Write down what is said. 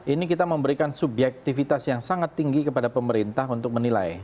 ini kita memberikan subjektivitas yang sangat tinggi kepada pemerintah untuk menilai